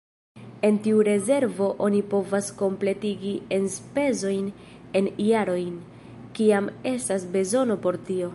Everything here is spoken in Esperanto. El tiu rezervo oni povas kompletigi enspezojn en jaroj, kiam estas bezono por tio.